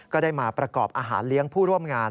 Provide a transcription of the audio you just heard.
ก็ได้มาประกอบอาหารเลี้ยงผู้ร่วมงาน